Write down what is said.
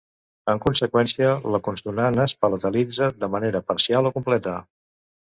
En conseqüència, la consonant es palatalitza de manera parcial o completa.